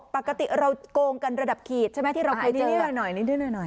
ปกติเรากงกันระดับขีดใช่ไหมที่เราพอเจออันนี้ด้วยหน่อยหน่อย